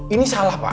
ini salah pak